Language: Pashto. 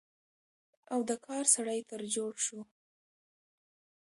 او د کار سړى تر جوړ شو،